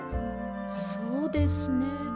そうですね。